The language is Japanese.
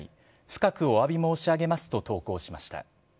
深くおわび申し上げますと投稿しました。